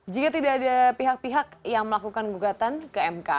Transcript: jika tidak ada pihak pihak yang melakukan gugatan ke mk